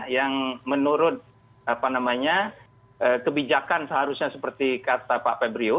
yang menurut kebijakan seharusnya seperti kata pak febrio